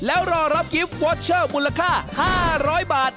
แล้วรอรับกิฟต์วอเชอร์มูลค่า๕๐๐บาท